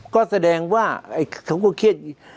ก็แสดงว่าเขาก็เครียด